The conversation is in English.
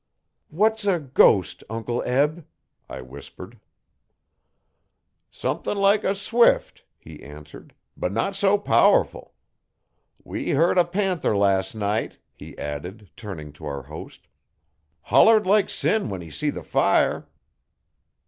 'What's a ghost, Uncle Eb?' I whispered. 'Somethin' like a swift,' he answered, 'but not so powerful. We heard a panther las' night,' he added, turning to our host. 'Hollered like sin when he see the fire.'